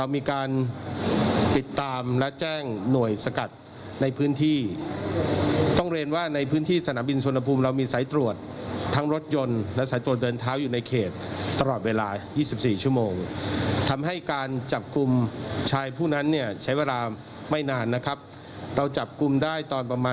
ประมาณ๑๑โมง๕๓นาทีประมาณ๑๐นาทีเราได้ตัว